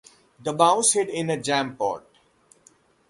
The mouse hid in a jam pot.